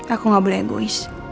aku gak boleh egois